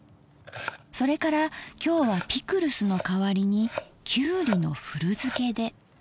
それから今日はピクルスの代わりにきゅうりの古漬けで。